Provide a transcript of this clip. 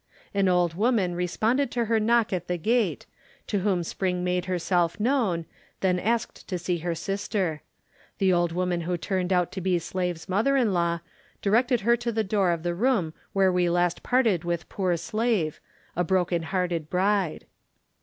An old woman responded to her knock at the gate, to whom Spring made herself known, then asked to see her sister. The old woman who turned out to be Slave's mother in law, directed her to the door of the room where we last parted with poor Slave—a broken hearted bride.